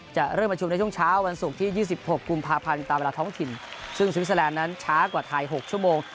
จะเริ่มประชุมในช่วงเช้าวันศุกร์ที่๒๖กุมภาพันธ์ตามเวลาท้องถิ่นซึ่งสวิสเตอร์แลนด์นั้นช้ากว่าไทย๖ชั่วโมง